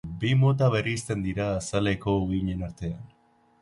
Bi mota bereizten dira azaleko uhinen artean.